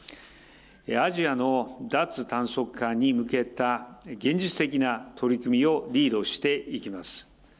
アジアの脱炭素化に向けた、現実的な取り組みをリードしていきます。